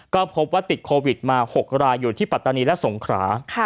ก็พบว่าติดโควิดมา๖รายอยู่ที่ปัตตานีและสงขรา